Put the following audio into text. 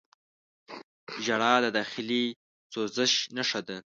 • ژړا د داخلي سوز نښه ده.